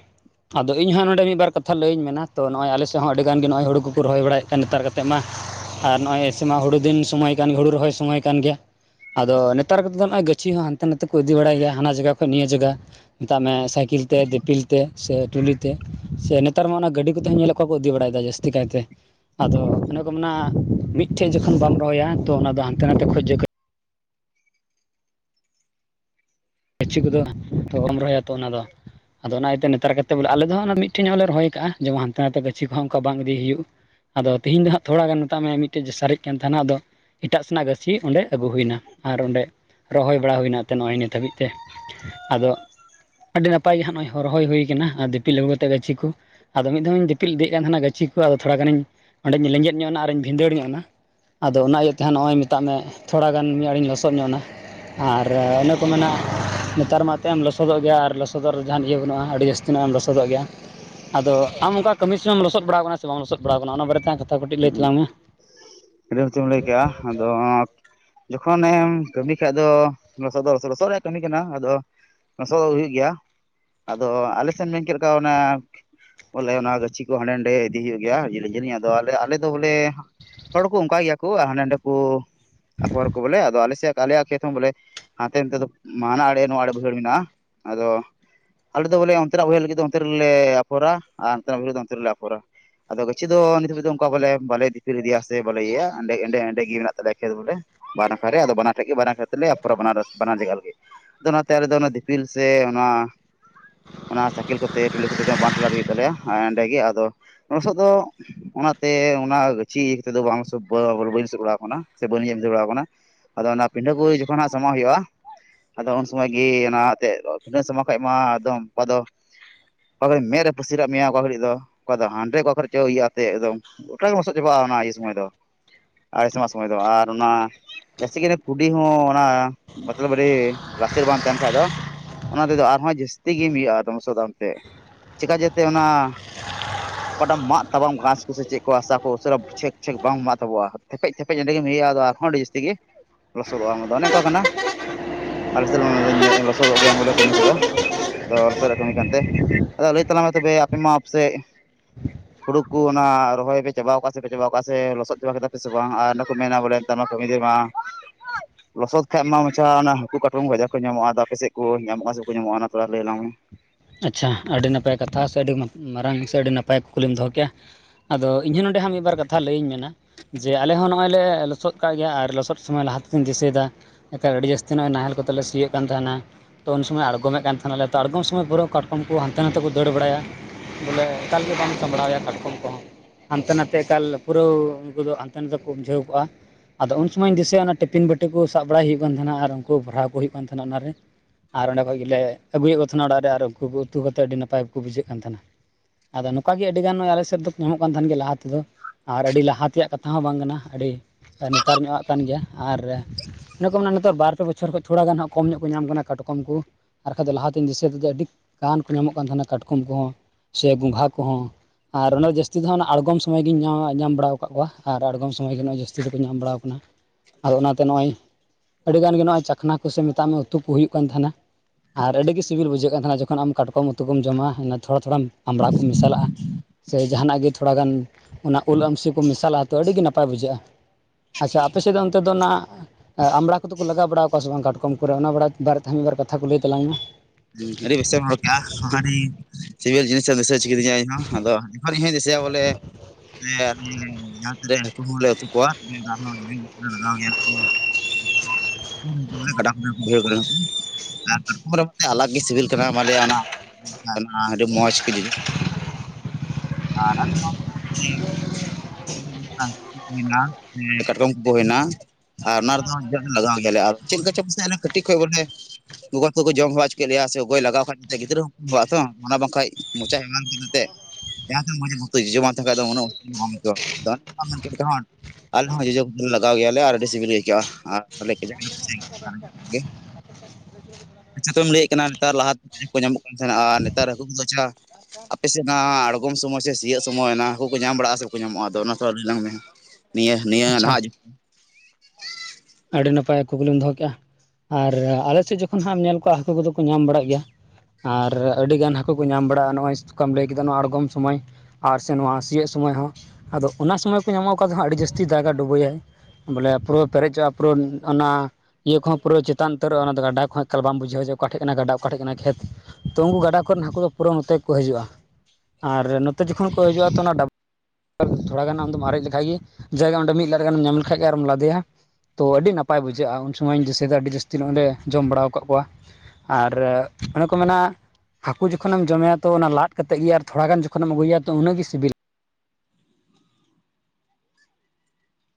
ᱟᱫᱚ ᱤᱧᱦᱚᱸ ᱱᱚᱰᱮ ᱢᱤᱫᱼᱵᱟᱨ ᱠᱟᱛᱷᱟ ᱞᱟᱹᱭᱟᱹᱧ ᱢᱮᱱᱟ ᱛᱚ ᱱᱚᱜ-ᱚᱭ ᱟᱞᱮ ᱥᱮᱫ ᱟᱹᱰᱤ ᱜᱟᱱ ᱜᱮ ᱱᱚᱜ-ᱚᱭ ᱦᱩᱲᱩ ᱠᱚᱠᱚ ᱨᱚᱦᱚᱭ ᱵᱟᱲᱮᱫ ᱠᱟᱱ ᱱᱮᱛᱟᱨ ᱠᱟᱛᱮᱫ ᱢᱟ ᱟᱨ ᱱᱚᱜ-ᱚᱭ ᱮᱥᱮ ᱢᱟ ᱦᱩᱲᱩ ᱫᱤᱱ ᱥᱚᱢᱚᱭ ᱠᱟᱱ ᱜᱮ ᱦᱩᱲᱩ ᱨᱚᱦᱚᱭ ᱥᱚᱢᱚᱭ ᱠᱟᱱ ᱜᱮᱭᱟ᱾ ᱟᱫᱚ ᱱᱮᱛᱟᱨ ᱠᱟᱛᱮ ᱫᱚ ᱱᱚᱜᱚᱭ ᱜᱟᱹᱪᱷᱤ ᱦᱚᱸ ᱦᱟᱱᱛᱮ ᱱᱟᱛᱮ ᱠᱚ ᱤᱫᱤ ᱵᱟᱲᱟᱭ ᱜᱮᱭᱟ ᱦᱟᱱᱟ ᱡᱟᱭᱜᱟ ᱠᱷᱚᱱ ᱱᱤᱭᱟᱹ ᱡᱟᱭᱜᱟ ᱢᱮᱛᱟᱜ ᱢᱮ ᱥᱟᱭᱠᱮᱞ ᱛᱮ ᱫᱤᱯᱤᱞ ᱛᱮ ᱥᱮ ᱴᱚᱞᱤ ᱛᱮ ᱥᱮ ᱱᱮᱛᱟᱨ ᱢᱟ ᱚᱱᱟ ᱜᱟᱹᱰᱤ ᱠᱚᱛᱮ ᱦᱚᱸ ᱧᱮᱞᱮᱫ ᱠᱚᱣᱟ ᱠᱚ ᱤᱫᱤ ᱵᱟᱲᱟᱭᱮᱫᱟ ᱡᱟᱹᱥᱛᱤ ᱠᱟᱭ ᱛᱮ ᱟᱫᱚ ᱚᱱᱮ ᱠᱚ ᱢᱮᱱᱟ ᱢᱤᱫᱴᱷᱮᱡ ᱡᱚᱠᱷᱚᱱ ᱵᱟᱢ ᱨᱚᱦᱚᱭᱟ ᱛᱚ ᱚᱱᱟ ᱫᱚ ᱦᱟᱱᱛᱮ ᱱᱟᱛᱮ ᱠᱷᱚᱡ ᱜᱟᱹᱪᱷᱤ ᱠᱚᱫᱚ ᱛᱚ ᱵᱟᱢ ᱨᱚᱦᱚᱭᱟ ᱛᱚ ᱚᱱᱟᱫᱚ ᱟᱫᱚ ᱚᱱᱟ ᱤᱭᱟᱹᱛᱮ ᱱᱮᱛᱟᱨ ᱠᱟᱨ ᱠᱟᱛᱮ ᱵᱚᱞᱮ ᱟᱞᱮ ᱫᱚ ᱦᱟᱜ ᱚᱱᱟ ᱢᱤᱫᱴᱷᱮᱡ ᱦᱚ ᱞᱮ ᱨᱚᱦᱚᱭᱟᱜ-ᱟ ᱮᱢᱚᱱ ᱦᱟᱱᱛᱮ ᱜᱟᱹᱪᱷᱤ ᱠᱚ ᱦᱚᱸ ᱚᱱᱠᱟ ᱵᱟᱝ ᱤᱫᱤ ᱦᱩᱭᱩᱜ᱾ ᱟᱫᱚ ᱛᱮᱦᱤᱧ ᱫᱚ ᱦᱟᱸᱜ ᱛᱷᱚᱲᱟ ᱜᱟᱱ ᱢᱮᱛᱟᱜ ᱢᱮ ᱢᱤᱫᱴᱮᱡ ᱥᱟᱨᱮᱡ ᱠᱟᱱ ᱛᱟᱦᱮᱱᱟ ᱟᱫᱚ ᱮᱴᱟᱜ ᱥᱮᱱᱟᱜ ᱜᱟᱹᱪᱷᱤ ᱚᱸᱰᱮ ᱟᱹᱜᱩ ᱦᱩᱭᱱᱟ ᱟᱨ ᱚᱸᱰᱮ ᱨᱚᱦᱚᱭ ᱵᱟᱲᱟ ᱦᱩᱭᱱᱟ ᱮᱛ ᱱᱚᱜ-ᱚᱭ ᱱᱤᱛ ᱦᱟᱹᱵᱤᱡ ᱛᱮ ᱟᱫᱚ ᱟᱹᱰᱤ ᱱᱟᱯᱟᱭ ᱜᱮ ᱦᱟᱸᱜ ᱱᱚᱜ-ᱚᱭ ᱦᱚᱨᱚ ᱦᱚᱭ ᱦᱩᱭ ᱠᱟᱱᱟ ᱟᱨ ᱫᱤᱯᱤᱞ ᱟᱹᱜᱩ ᱠᱟᱛᱮᱜ ᱜᱟᱹᱪᱷᱤ ᱠᱚ ᱟᱫᱚ ᱢᱤᱫ ᱫᱷᱟᱣᱤᱧ ᱡᱟᱹᱯᱤᱫ ᱤᱫᱤᱭᱮᱫ ᱠᱟᱱ ᱛᱟᱦᱮᱱᱟ ᱜᱟᱹᱪᱷᱤ ᱠᱚ ᱟᱫᱚ ᱛᱷᱚᱲᱟ ᱜᱟᱱ ᱤᱧ ᱚᱸᱰᱮᱧ ᱞᱮᱸᱜᱮᱫ ᱧᱚᱜ ᱱᱟ ᱟᱨᱤᱧ ᱵᱷᱸᱫᱟᱹᱲ ᱧᱚᱜᱱᱟ ᱟᱫᱚ ᱚᱱᱟ ᱤᱭᱟᱹ ᱛᱮ ᱱᱚᱜᱼᱚᱭ ᱢᱮᱛᱟᱜ ᱢᱮ ᱛᱷᱚᱲᱟ ᱜᱟᱱ ᱢᱤᱫ ᱟᱲᱮ ᱤᱧ ᱞᱚᱥᱚᱫ ᱧᱚᱜ ᱮᱱᱟ ᱟᱨ ᱤᱱᱟᱹ ᱠᱚ ᱢᱮᱱᱟᱜ-ᱟ ᱱᱮᱛᱟᱨ ᱢᱟ ᱮᱱᱛᱮᱢ ᱞᱚᱥᱚᱫᱚᱜ ᱜᱮᱭᱟ ᱟᱨ ᱞᱚᱥᱚᱫᱚᱜ ᱨᱮ ᱡᱟᱦᱟᱱ ᱤᱭᱟᱹ ᱵᱟᱹᱱᱩᱜᱼᱟ ᱟᱹᱰᱤ ᱡᱟᱹᱥᱛᱤ ᱧᱚᱜ ᱮᱢ ᱞᱚᱥᱚᱫᱚᱜ ᱜᱮᱭᱟ᱾ ᱟᱫᱚ, ᱟᱢ ᱚᱱᱠᱟ ᱠᱟᱹᱢᱤ ᱥᱚᱢᱚᱭᱢ ᱞᱚᱥᱚᱫ ᱵᱟᱲᱟ ᱠᱟᱱᱟ ᱥᱮ ᱵᱟᱝ ᱞᱚᱥᱚᱫ ᱵᱟᱲᱟ ᱠᱟᱱᱟ, ᱚᱱᱟ ᱵᱟᱨᱮ ᱛᱮ ᱠᱟᱛᱷᱟ ᱠᱟᱹᱴᱤᱡ ᱞᱟᱹᱭ ᱛᱟᱞᱟᱝ ᱢᱮ ᱼᱼ [inaudible] [unintelligible] ᱪᱮᱢ ᱞᱟᱹᱭ ᱠᱮᱜᱼᱟ ᱟᱫᱚᱸ ᱼᱼ ᱡᱚᱠᱷᱚᱱ ᱮᱢ ᱠᱟᱹᱢᱤ ᱠᱷᱟᱡ ᱫᱚ ᱞᱚᱥᱚᱜ ᱫᱚ ᱞᱚᱥᱚᱜ ᱞᱚᱥᱚᱫ ᱨᱮᱭᱟᱜ ᱠᱟᱹᱢᱤ ᱠᱟᱱᱟ, ᱟᱫᱚ ᱼᱼ ᱞᱚᱥᱚᱫᱚᱜ ᱦᱩᱭᱩᱜ ᱜᱮᱭᱟ ᱟᱫᱚ ᱟᱞᱮ ᱥᱮᱱ ᱢᱮᱱ ᱠᱮᱜ ᱞᱮᱠᱟ ᱚᱱᱟ ᱵᱚᱞᱮ ᱚᱱᱟ ᱜᱟᱹᱪᱷᱤ ᱠᱚ ᱦᱟᱸᱰᱮ ᱱᱟᱰᱮ ᱤᱫᱤ ᱦᱩᱭᱩᱜ ᱜᱮᱭᱟ ᱡᱤᱞᱤᱧ ᱡᱤᱞᱤᱧ ᱟᱫᱚ ᱟᱞᱮ ᱟᱞᱮ ᱫᱚ ᱵᱚᱞᱮ ᱦᱚᱲ ᱠᱚ ᱚᱝᱠᱟ ᱜᱮᱭᱟ ᱠᱚ ᱦᱟᱸᱰᱮ ᱱᱟᱰᱮ ᱠᱚ ᱟᱠᱷᱚᱣᱟᱨ ᱟᱠᱚ ᱵᱚᱞᱮ ᱟᱫᱚ ᱟᱞᱮ ᱥᱮᱫ ᱟᱞᱮᱭᱟᱜ ᱠᱷᱮᱛ ᱦᱚᱸ ᱵᱚᱞᱮ ᱦᱟᱱᱛᱮ ᱱᱤᱛᱚᱜ ᱫᱚ ᱢᱟᱱᱟ ᱟᱲᱮ ᱱᱚᱣᱟ ᱟᱲᱮ ᱵᱟᱹᱭᱦᱟᱹᱲ ᱢᱮᱱᱟᱜᱼᱟ ᱟᱫᱚ ᱟᱞᱮ ᱫᱚ ᱵᱚᱞᱮ ᱚᱱᱛᱮᱱᱟᱜ ᱵᱟᱭᱦᱟᱹᱨ ᱞᱟᱹᱜᱤᱫ ᱫᱚ ᱚᱱᱛᱮ ᱨᱮᱞᱮ ᱟᱯᱷᱚᱨᱟ ᱟᱨ ᱛᱮᱱᱟᱜ ᱩᱭᱟᱹᱨ ᱫᱚ ᱚᱱᱛᱮ ᱨᱮᱞᱮ ᱟᱯᱷᱚᱨᱟ ᱟᱫᱚ ᱜᱟᱹᱪᱷᱤ ᱫᱚ ᱱᱤᱛ ᱦᱟᱹᱵᱤᱡ ᱫᱚ ᱚᱝᱠᱟ ᱵᱚᱞᱮ ᱵᱟᱞᱮ ᱫᱤᱯᱤᱞ ᱤᱫᱤᱭᱟ ᱥᱮ ᱵᱚᱞᱮ ᱤᱭᱟᱹ ᱭᱟ ᱟᱹᱰᱮ ᱮᱸᱰᱮ ᱮᱸᱰᱮ ᱜᱮ ᱢᱮᱱᱟᱜ ᱛᱟᱞᱮᱭᱟ ᱠᱷᱮᱛ ᱵᱚᱞᱮ ᱵᱟᱨ ᱱᱟᱠᱷᱟ ᱨᱮ ᱟᱫᱚ ᱵᱟᱱᱟᱨ ᱴᱷᱮᱡ ᱜᱮ ᱵᱟᱱᱟ ᱴᱷᱮᱜ ᱞᱮ ᱟᱯᱷᱚᱨᱟ ᱵᱟᱱᱟᱨᱚᱥ ᱵᱟᱱᱟᱨ ᱡᱟᱜᱟ ᱨᱮᱜᱮ, ᱫᱚ ᱚᱱᱟ ᱛᱮ ᱟᱞᱮ ᱫᱚ ᱚᱱᱟ ᱫᱤᱯᱤᱞ ᱥᱮ ᱚᱱᱟ ᱚᱱᱟ ᱥᱟᱭᱠᱮᱞ ᱠᱚᱛᱮ ᱴᱩᱞᱤ ᱠᱚᱛᱮ ᱫᱚ ᱵᱟᱝ ᱴᱚᱞᱟ ᱤᱫᱤ ᱦᱩᱭᱩᱜ ᱛᱟᱞᱮᱭᱟ ᱮᱸᱰᱮ ᱜᱮ ᱟᱫᱚ ᱞᱚᱥᱚᱫ ᱫᱚ ᱚᱱᱟᱛᱮ ᱚᱱᱟ ᱜᱟᱹᱪᱷᱤ ᱤᱫᱤ ᱛᱮᱫᱚ ᱵᱟᱝ ᱥᱚᱵ ᱵᱟᱲᱟᱣ ᱵᱟᱹᱧ ᱞᱚᱥᱚᱫ ᱵᱟᱲᱟᱣ ᱟᱠᱟᱱᱟ ᱥᱮ ᱵᱟᱹᱧ [unintelligible] ᱵᱟᱲᱲᱟ ᱟᱠᱟᱱᱟ ᱟᱫᱚ ᱚᱱᱟ ᱯᱤᱰᱟᱹ ᱠᱚᱜᱮ ᱡᱚᱠᱷᱚᱱ ᱱᱟᱜ ᱥᱟᱢᱟᱜ ᱦᱩᱭᱩᱜᱼᱟ ᱟᱫᱚ ᱩᱱ ᱥᱚᱢᱚᱭ ᱜᱮ ᱚᱱᱟ ᱟᱜ ᱛᱮᱜ [unintelligible] ᱠᱷᱟᱡ ᱢᱟ ᱟᱫᱚᱢ ᱯᱚᱫᱚ ᱚᱠᱟ ᱠᱚᱨᱮᱱ ᱢᱮᱸᱫ ᱨᱮ ᱯᱟᱹᱥᱤᱨᱟᱜ ᱢᱮᱭᱟ ᱚᱠᱟ ᱠᱚᱨᱤᱡ ᱫᱚ ᱚᱠᱟ ᱫᱚ ᱦᱟᱸᱰᱮ ᱚᱠᱟ ᱠᱚᱨᱮᱪᱚ ᱤᱭᱟᱹ ᱟᱛᱮ ᱮᱠᱫᱚᱢ ᱜᱚᱴᱟ ᱜᱮᱢ ᱞᱚᱥᱚᱫ ᱪᱟᱵᱟᱜᱼᱟ ᱚᱱᱟ ᱤᱭᱟᱹ ᱥᱚᱢᱚᱭ ᱫᱚ ᱟᱲᱮ ᱥᱟᱢᱟᱜ ᱥᱚᱢᱚᱭ ᱫᱚ ᱟᱨ ᱚᱱᱟ ᱡᱟᱹᱥᱛᱤ ᱜᱮ ᱱᱤᱛ ᱠᱩᱰᱤ ᱦᱚᱸ ᱚᱱᱟ ᱢᱚᱛᱞᱚᱵ ᱟᱹᱰᱤ ᱞᱟᱥᱮᱨ ᱵᱟᱝ ᱛᱟᱦᱮᱸᱱ ᱠᱷᱟᱡ ᱫᱚ ᱚᱱᱟ ᱛᱮᱫᱚ ᱟᱨᱦᱚᱸ ᱡᱟᱹᱥᱛᱤ ᱜᱮ ᱤᱭᱟᱹᱜ-ᱟ [unintelligible] ᱞᱚᱥᱚᱫ ᱮᱱᱛᱮ ᱪᱮᱠᱟ ᱡᱟᱛᱮ ᱚᱱᱟ ᱚᱠᱟᱴᱟᱜ ᱢᱟᱜ ᱛᱟᱵᱟᱢ ᱜᱷᱟᱥ ᱠᱚᱥᱮ ᱪᱮᱫ ᱠᱚ ᱦᱟᱥᱟ ᱠᱚ [unintelligible] ᱪᱷᱮ ᱵᱟᱝᱟᱜ ᱛᱟᱵᱚᱜᱼᱟ ᱛᱷᱮᱯᱮᱡ ᱛᱷᱮᱯᱮᱡ ᱮᱸᱰᱮ ᱜᱮᱢ ᱤᱭᱟᱹ ᱭᱟ ᱟᱫᱚ ᱟᱨᱦᱚᱸ ᱟᱹᱰᱤ ᱡᱟᱹᱥᱛᱤ ᱜᱮ ᱞᱚᱥᱚᱫᱚᱜ ᱟᱢ ᱟᱫᱚ ᱚᱱᱮ ᱚᱱᱠᱟ ᱠᱟᱱᱟ ᱟᱞᱮ ᱥᱮᱫ [inaudible] ᱞᱚᱥᱚᱫᱚᱜ ᱜᱮᱭᱟ ᱵᱚᱞᱮ ᱠᱟᱹᱢᱤ ᱛᱮᱫᱚ, ᱟᱫᱚ ᱞᱚᱥᱚᱫ ᱨᱮ ᱠᱟᱹᱢᱤ ᱠᱟᱱᱛᱮ ᱟᱫᱚ ᱞᱟᱹᱭ ᱛᱟᱞᱟᱝ ᱢᱮ ᱛᱚᱵᱮ ᱟᱯᱮ ᱢᱟ ᱯᱮᱥᱮᱜ ᱦᱩᱲᱩ ᱠᱚ ᱚᱱᱟ ᱨᱚᱦᱚᱭ ᱯᱮ ᱪᱟᱵᱟᱣ ᱠᱟᱜ-ᱟ ᱥᱮ ᱪᱟᱵᱟᱣ ᱯᱟ ᱥᱮ ᱞᱚᱥᱚᱫ ᱪᱟᱵᱟ ᱠᱮᱫᱟ ᱯᱮ ᱥᱮ ᱵᱟᱝ? ᱟᱨ ᱚᱱᱟ ᱠᱚ ᱢᱮᱱᱟ ᱵᱚᱞᱮ ᱱᱮᱛᱟᱨ ᱢᱟ ᱠᱟᱹᱢᱤ ᱫᱮ ᱢᱟ ᱞᱚᱥᱚᱫ ᱠᱷᱟᱡ ᱢᱟ ᱢᱟᱪᱷᱟ ᱚᱱᱟ ᱦᱟᱹᱠᱩ ᱠᱟᱴᱠᱚᱢ ᱠᱟᱡᱟᱜ ᱠᱚ ᱧᱟᱢᱚᱜᱼᱟ᱾ ᱟᱫᱚ ᱟᱯᱮ ᱥᱮᱫ ᱠᱚ ᱧᱟᱢᱚᱜᱼᱟ ᱥᱮ ᱵᱟᱠᱚ ᱧᱟᱢᱚᱜᱼᱟ? ᱚᱱᱟ ᱛᱟᱞᱟᱝ ᱞᱟᱹᱭ ᱟᱞᱟᱝ ᱢᱮ᱾ ᱟᱪᱷᱟ ᱟᱹᱰᱤ ᱱᱟᱯᱟᱭ ᱠᱟᱛᱷᱟ ᱥᱮ ᱟᱹᱰᱤ ᱢᱟᱨᱟᱝ ᱥᱮ ᱟᱹᱰᱤ ᱱᱟᱯᱟᱭ ᱠᱩᱠᱞᱤᱢ ᱫᱚᱦᱚ ᱠᱮᱜᱼᱟ, ᱟᱫᱚ ᱤᱧ ᱦᱚᱸ ᱱᱚᱸᱰᱮ ᱦᱟᱸᱜ ᱢᱤᱫ ᱵᱟᱨ ᱠᱟᱛᱷᱟ ᱞᱟᱹᱭᱤᱧ ᱢᱮᱱᱟ ᱡᱮ ᱟᱞᱮ ᱦᱚᱸ ᱚᱸᱭ ᱞᱮ ᱞᱚᱥᱚᱫ ᱠᱟᱜ ᱜᱮᱭᱟ ᱟᱨ ᱞᱚᱥᱚᱫ ᱥᱚᱢᱚᱭ ᱞᱟᱦᱟ ᱛᱮ ᱫᱩᱧ ᱫᱤᱥᱟᱹᱭᱮᱫᱟ ᱮᱱᱠᱷᱟᱱ ᱟᱹᱰᱤ ᱡᱟᱹᱥᱛᱤ ᱱᱚᱜᱼᱚᱭ ᱱᱟᱦᱮᱞ ᱠᱚᱛᱮ ᱞᱮ ᱥᱤᱭᱮᱜ ᱠᱟᱱ ᱛᱟᱦᱮᱸᱱᱟ ᱛᱚ ᱩᱱ ᱥᱚᱢᱚᱭ ᱟᱬᱜᱚᱢᱮᱫ ᱠᱟᱱ ᱛᱟᱦᱮᱸᱱᱟᱞᱮ ᱛᱚ ᱟᱬᱜᱚᱢ ᱥᱚᱢᱚᱭ ᱯᱩᱨᱟᱹ ᱠᱟᱴᱠᱚᱢ ᱠᱚ ᱦᱟᱱᱛᱮ ᱱᱟᱛᱮ ᱠᱚ ᱫᱟᱹᱲ ᱵᱟᱲᱟᱭᱟ ᱵᱚᱞᱮ ᱮᱠᱟᱞᱜᱮ ᱵᱟᱢ ᱥᱟᱢᱲᱟᱣᱭᱟ ᱠᱟᱴᱠᱚᱢ ᱠᱚᱦᱚᱸ ᱦᱟᱱᱛᱮ ᱱᱟᱛᱮ ᱮᱠᱟᱞ ᱯᱩᱨᱟᱹᱣ ᱩᱱᱠᱩ ᱫᱚ ᱦᱟᱱᱛᱮ ᱱᱟᱛᱮ ᱠᱚ ᱵᱩᱡᱷᱟᱹᱣ ᱠᱚᱜᱼᱟ ᱟᱫᱚ ᱩᱱ ᱥᱚᱢᱚᱭᱤᱧ ᱫᱤᱥᱟᱹᱭᱟ ᱚᱱᱟ ᱴᱤᱯᱤᱱ ᱵᱟᱹᱴᱤ ᱠᱚ ᱥᱟᱵ ᱵᱟᱲᱟᱭ ᱦᱩᱭᱩᱜ ᱠᱟᱱ ᱛᱟᱦᱮᱱᱟ ᱟᱨ ᱩᱱᱠᱩ ᱵᱷᱚᱨᱟᱣ ᱠᱚ ᱦᱩᱭᱩᱜ ᱠᱟᱱ ᱛᱟᱦᱮᱱᱟ ᱚᱱᱟᱨᱮ ᱟᱨ ᱚᱸᱰᱮ ᱠᱷᱚᱡ ᱜᱮᱞᱮ ᱟᱹᱜᱩᱭᱮᱫ ᱠᱚ ᱛᱟᱦᱮᱱᱟ ᱚᱲᱟᱜ ᱨᱮ ᱟᱨ ᱩᱱᱠᱩ ᱩᱛᱩ ᱠᱟᱛᱮᱫ ᱟᱹᱰᱤ ᱱᱟᱯᱟᱭ ᱠᱚ ᱵᱩᱡᱷᱟᱹᱜ ᱠᱟᱱ ᱛᱟᱦᱮᱱᱟ‌ ᱾ ᱟᱫᱚ ᱱᱚᱝᱠᱟ ᱜᱮ ᱟᱹᱰᱤ ᱜᱟᱱ ᱟᱞᱮᱥᱮᱫ ᱫᱚ ᱧᱟᱢᱚᱜ ᱠᱟᱱ ᱛᱟᱦᱮᱱ ᱜᱮᱭᱟ ᱞᱟᱦᱟ ᱛᱮᱫᱚ ᱾ ᱟᱨ ᱟᱹᱰᱤ ᱞᱟᱦᱟ ᱛᱮᱭᱟᱜ ᱠᱟᱛᱷᱟ ᱦᱚᱸ ᱵᱟᱝ ᱠᱟᱱᱟ ᱟᱹᱰᱤ ᱱᱮᱛᱟᱨ ᱧᱚᱜᱼ ᱟ ᱠᱟᱱ ᱜᱮᱭᱟ ᱟᱨ ᱨᱮ ᱤᱱᱟᱹ ᱠᱚ ᱢᱮ ᱱᱤᱛᱚᱜ ᱵᱟᱨ ᱯᱮ ᱵᱚᱪᱷᱚᱨ ᱠᱷᱚᱱ ᱛᱷᱚᱲᱟ ᱜᱟᱱ ᱦᱟᱸᱜ ᱠᱚᱢ ᱧᱚᱜ ᱠᱚ ᱧᱟᱢ ᱠᱟᱱᱟ ᱠᱟᱴᱠᱚᱢ ᱠᱚ ᱟᱨ ᱠᱷᱟᱡ ᱫᱚ ᱞᱟᱦᱟᱛᱤᱧ ᱫᱤᱥᱟᱹ ᱛᱮᱫᱚ ᱟᱹᱰᱤ ᱜᱟᱱ ᱠᱚ ᱧᱟᱢᱚᱜ ᱠᱟᱱ ᱛᱟᱦᱮᱱᱟ ᱠᱟᱴᱠᱚᱢ ᱠᱚᱦᱚᱸ ᱥᱮ ᱜᱚᱸᱜᱷᱟ ᱠᱚᱦᱚᱸ ᱟᱨ ᱚᱱᱟ ᱡᱟᱹᱥᱛᱤ ᱫᱚ ᱦᱟᱜ ᱟᱬᱜᱚᱢ ᱥᱚᱢᱚᱭ ᱜᱤᱧ ᱧᱟᱢ ᱵᱟᱲᱟᱣ ᱟᱠᱟᱫ ᱠᱚᱣᱟ ᱟᱨ ᱟᱬᱜᱚᱢ ᱥᱚᱢᱚᱭ ᱜᱮ ᱱᱚᱚᱭ ᱡᱟᱹᱥᱛᱤ ᱫᱚᱠᱚ ᱧᱟᱢ ᱵᱟᱲᱟᱣ ᱠᱟᱱᱟ ᱟᱫᱚ ᱚᱱᱟᱛᱮ ᱱᱚᱜᱼᱚᱭ ᱟᱹᱰᱤ ᱜᱟᱱ ᱜᱮ ᱱᱚᱜᱼᱚᱭ ᱪᱟᱠᱷᱱᱟ ᱠᱚᱥᱮ ᱢᱮᱛᱟᱜ ᱢᱮ ᱩᱛᱩ ᱠᱚ ᱦᱩᱭᱩᱜ ᱠᱟᱱ ᱛᱟᱦᱮᱱᱟ ᱟᱨ ᱟᱹᱰᱤ ᱜᱮ ᱥᱤᱵᱤᱞ ᱵᱩᱡᱷᱟᱹᱜ ᱠᱟᱱ ᱛᱟᱦᱮᱱᱟ ᱛᱚᱠᱷᱚᱱ ᱟᱢ ᱠᱟᱴᱠᱚᱢ ᱩᱛᱩ ᱠᱚᱢ ᱡᱚᱢᱟ ᱛᱷᱚᱲᱟ ᱛᱷᱚᱲᱟ ᱟᱢᱵᱽᱲᱟ ᱠᱚ ᱢᱮᱥᱟᱞᱟᱜᱼᱟ ᱥᱮ ᱡᱟᱦᱟᱱᱟᱜ ᱜᱮ ᱛᱷᱚᱲᱟ ᱜᱟᱱ ᱚᱱᱟ ᱩᱞ ᱟᱢᱥᱤ ᱠᱚ ᱢᱮᱥᱟᱞ ᱞᱟᱼᱟ ᱛᱚ ᱟᱹᱰᱤᱜᱮ ᱱᱟᱯᱟᱭ ᱵᱩᱡᱷᱟᱹᱜᱼᱟ ᱟᱪᱪᱷᱟ ᱟᱯᱮᱥᱮᱫ ᱫᱚ ᱚᱱᱛᱮ ᱫᱚ ᱱᱟᱜ ᱟᱢᱲᱟ ᱠᱚᱫᱚ ᱠᱚ ᱞᱟᱜᱟᱣ ᱵᱟᱲᱟᱣᱟ ᱟᱠᱣᱟ ᱥᱮ ᱵᱟᱝ ᱠᱟᱴᱠᱚᱢ ᱠᱚᱨᱮ ᱚᱱᱟ ᱵᱟᱨᱮᱛᱮ ᱢᱤᱫᱵᱟᱨ ᱠᱟᱛᱷᱟ ᱠᱚ ᱞᱟᱹᱭ ᱛᱟᱞᱟᱝ ᱢᱮ ᱦᱮᱸ ᱟᱹᱰᱤ ᱵᱮᱥ ᱨᱚᱲ ᱫᱟ [unintelligible] ᱥᱤᱵᱤᱞ ᱡᱤᱱᱤᱥ ᱮ ᱫᱤᱥᱟᱹᱪᱚ ᱠᱤᱫᱤᱧᱟ ᱤᱧᱦᱚᱸ ᱟᱫᱚ ᱮᱠᱷᱚᱱ ᱤᱧ ᱦᱚᱸ ᱫᱤᱥᱟᱹᱭᱟ ᱵᱚᱞᱮ [unintelligible] ᱡᱟᱦᱟ ᱛᱤ ᱨᱮ ᱦᱟᱹᱠᱩ ᱦᱚ ᱠᱚ ᱞᱮ ᱩᱛᱩ ᱠᱚᱣᱟᱮ [unintelligible] [unintelligible] ᱟᱞᱟᱜᱽ ᱜᱮ ᱥᱤᱵᱤᱞ ᱠᱟᱱᱟ ᱢᱟᱱᱞᱮ ᱚᱱᱟ ᱟᱹᱰᱤ ᱢᱚᱸᱡᱽ ᱜᱮ ᱡᱩᱡ [unintelligible] ᱟᱨ [unintelligible] [unintelligible] ᱦᱩᱭᱱᱟ ᱠᱟᱴᱠᱚᱢ ᱦᱩᱭ ᱱᱟ ᱠᱟᱴᱠᱚᱢ ᱦᱩᱭᱱᱟ ᱟᱨ ᱚᱱᱟ ᱨᱮᱫᱚ ᱡᱚᱡᱚ ᱞᱮ ᱞᱟᱜᱟᱣ ᱜᱮᱭᱟᱞᱮ ᱟᱨ ᱪᱮᱫ ᱞᱮᱠᱟ ᱪ ᱯᱟᱥᱮᱜ ᱠᱟᱹᱴᱤᱡ ᱠᱷᱚᱡ ᱵᱚᱞᱮ ᱜᱚᱜᱚ ᱠᱚᱠᱚ ᱡᱚᱢ ᱦᱮᱣᱟ ᱦᱚᱪᱚ ᱠᱮᱫ ᱞᱮᱭᱟ ᱥᱮ ᱜᱚᱭ ᱞᱟᱜᱟᱣ ᱠᱷᱟᱱᱛᱮ ᱜᱤᱫᱽᱨᱟᱹ ᱦᱚᱸᱠᱚᱜᱼᱟ ᱛᱚ ᱚᱱᱟ ᱵᱟᱝᱠᱷᱟᱡ ᱢᱚᱪᱟ [unintelligible] ᱡᱟᱦᱟᱛᱤᱱᱹᱜ ᱢᱚᱡᱽ ᱮᱢ ᱩᱛᱩᱭ ᱡᱚᱡᱚ ᱵᱟᱝ ᱛᱟᱦᱮᱱ ᱠᱷᱟᱡ ᱫᱚ [unintelligible] [unintelligible] [unintelligible] ᱟᱞᱮ ᱦᱚᱸ ᱡᱚᱡᱚ ᱠᱚᱫᱚᱞᱮ ᱞᱟᱜᱟᱣ ᱜᱮᱭᱟᱞᱮ ᱟᱨ ᱟᱹᱰᱤ ᱥᱤᱵᱤᱞ ᱜᱮ ᱟᱹᱭᱠᱟᱹᱜᱼᱟ ᱟᱨᱞᱮ ᱠᱷᱮᱡᱟ [unintelligible] ᱠᱩᱥᱤᱭ ᱜᱮᱭᱟ ᱜᱮᱜ ᱟᱪᱪᱷᱟ ᱛᱚᱢ ᱞᱟᱹᱭᱮᱫ ᱠᱟᱱᱟ ᱱᱮᱛᱟᱨ ᱞᱟᱦᱟᱛᱮᱫ ᱪ ᱠᱚ ᱧᱟᱢᱚᱜ ᱠᱟᱱ ᱛᱟᱦᱮᱸᱱᱟ ᱟᱨ ᱱᱮᱛᱟᱨ ᱦᱟᱹᱠᱩ ᱠᱚ ᱟᱪᱷᱟ ᱟᱯᱮ ᱥᱮᱫ ᱚᱱᱟ ᱟᱬᱜᱚᱢ ᱥᱚᱢᱚᱭ ᱥᱮ ᱥᱤᱭᱳᱜ ᱥᱚᱢᱚᱭ ᱚᱱᱟ ᱦᱟᱹᱠᱩ ᱠᱚ ᱧᱟᱢ ᱵᱟᱲᱟᱜᱼᱟ ᱥᱮ ᱧᱟᱢᱚᱜᱼᱟ ᱟᱫᱚ ᱚᱱᱟ ᱛᱚ ᱞᱟᱹᱭᱞᱟᱝ ᱢᱮ ᱱᱤᱭᱟᱹ ᱱᱤᱭᱟᱹ ᱟᱪᱪᱷᱟ ᱱᱟᱦᱟᱜ ᱡᱩᱜᱽ ᱟᱹᱰᱤ ᱱᱟᱯᱟᱭ ᱠᱩᱠᱞᱤᱢ ᱫᱚᱦᱚ ᱠᱮᱫᱮᱜᱼᱟ ᱟᱨ ᱟᱞᱮ ᱥᱮᱫ ᱡᱚᱠᱷᱚᱱ ᱦᱟᱸᱜ ᱮᱢ ᱧᱮᱞ ᱠᱚᱜᱣᱟ ᱦᱟᱹᱠᱩ ᱠᱚᱫᱚ ᱠᱚ ᱧᱟᱢ ᱵᱟᱲᱟᱜ ᱜᱮᱭᱟ᱾ ᱟᱨ ᱟᱹᱰᱤᱜᱟᱱ ᱦᱟᱹᱠᱩ ᱠᱚ ᱧᱟᱢ ᱵᱟᱲᱟᱜᱼᱟ ᱱᱚᱜᱼᱚᱭᱠᱟᱢ ᱞᱟᱹᱭ ᱠᱮᱫᱟ ᱱᱚᱣᱟ ᱟᱬᱜᱚᱢ ᱥᱚᱢᱚᱭ᱾ ᱟᱨ ᱥᱮ ᱱᱚᱣᱟ ᱦ ᱥᱤᱭᱟᱹᱜ ᱥᱚᱢᱚᱭ ᱦᱚᱸ ᱟᱫᱚ ᱚᱱᱟ ᱥᱚᱢᱚᱭ ᱠᱚ ᱧᱟᱢᱚᱜ ᱠᱟᱫᱟ ᱟᱹᱰᱤ ᱡᱟᱹᱥᱛᱤ ᱡᱟᱭᱜᱟ ᱰᱩᱵᱟᱹᱭᱟᱭ᱾ ᱵᱚᱞᱮ ᱯᱩᱨᱟᱹ ᱯᱮᱨᱮᱡᱚᱜᱼᱟ ᱯᱩᱨᱟᱹ ᱚᱱᱟ ᱤᱭᱟᱹ ᱠᱚᱦᱚᱸᱯᱩᱨᱟᱹ ᱪᱮᱛᱟᱱ ᱩᱛᱟᱹᱨᱚᱜᱼᱟ ᱚᱱᱟ ᱜᱟᱰᱟ ᱮᱠᱟᱞ ᱵᱟᱢ ᱵᱩᱡᱷᱟᱹᱣᱼᱟ ᱚᱠᱟᱴᱷᱮᱡ ᱠᱟᱱᱟ ᱜᱟᱰᱟ ᱚᱠᱟᱴᱷᱮᱡ ᱠᱟᱱᱟ ᱠᱷᱮᱛ᱾ ᱛᱚ ᱩᱱᱠᱩ ᱜᱟᱰᱟ ᱠᱚᱨᱮᱱ ᱦᱟᱹᱠᱩ ᱫᱚ ᱯᱩᱨᱟᱹ ᱱᱚᱛᱮ ᱠᱚ ᱦᱤᱡᱩᱜᱼᱟ ᱟᱨ ᱱᱚᱛᱮ ᱡᱚᱠᱷᱚᱱ ᱠᱚ ᱦᱤᱡᱩᱜᱼᱟ ᱛᱚ ᱚᱱᱟ ᱛᱷᱚᱲᱟ ᱜᱟᱱ ᱟᱫᱚᱢ ᱟᱨᱮᱡ ᱞᱮᱠᱷᱟᱡ ᱜᱮ ᱡᱟᱭᱜᱟ ᱚᱰᱮ ᱢᱤᱫ ᱞᱟᱫ ᱜᱟᱱ ᱧᱟᱢ ᱞᱮᱠᱷᱟᱡ ᱜᱮ ᱟᱨᱨᱢ ᱞᱟᱫᱮᱭᱟ᱾ ᱛᱚ ᱟᱹᱰᱤ ᱱᱟᱯᱟᱭ ᱵᱩᱡᱷᱟᱹᱜᱼᱟ ᱩᱱ ᱥᱚᱢᱚᱭᱤᱧ ᱫᱤᱥᱟᱹᱭᱟ ᱟᱹᱰᱤ ᱡᱟᱹᱥᱛᱤ ᱱᱚᱰᱮ ᱡᱚᱢ ᱵᱟᱲᱟᱣ ᱟᱠᱟᱫ ᱠᱚᱣᱟ᱾ ᱟᱨ ᱚᱱᱮ ᱠᱚ ᱢᱮᱱᱟ ᱦᱟᱹᱠᱩ ᱡᱚᱠᱷᱚᱱᱮᱢ ᱡᱚᱢᱮᱭᱟ ᱛᱚ ᱞᱟᱫ ᱠᱟᱛᱮᱜ ᱜᱮ ᱟᱨ ᱛᱷᱚᱲᱟ ᱜᱟᱱ ᱡᱚᱠᱷᱚᱱᱮᱢ ᱟᱹᱜᱩᱭᱟ ᱛᱚ ᱩᱱᱟᱹᱜ ᱜᱮ ᱥᱤᱵᱤᱞᱟ᱾